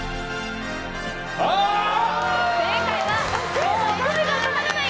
正解は、もう恋が止まらない！